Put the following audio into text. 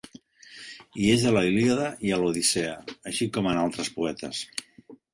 Hi és a la Ilíada i a l'Odissea, així com en altres poetes.